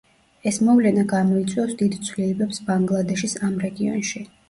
ეს მოვლენა გამოიწვევს დიდ ცვლილებებს ბანგლადეშის ამ რეგიონში.